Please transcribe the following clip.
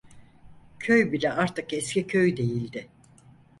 Köy bile artık eski köy değildi.